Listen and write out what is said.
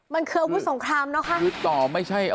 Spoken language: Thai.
มันคืออาวุธสงครามนะคะ